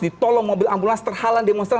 ditolong mobil ambulans terhalan demonstrasi